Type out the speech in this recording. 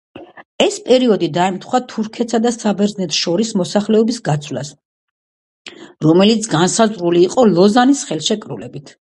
ეს პერიოდი დაემთხვა თურქეთსა და საბერძნეთს შორის მოსახლეობის გაცვლას, რომელიც განსაზღვრული იყო ლოზანის ხელშეკრულებით.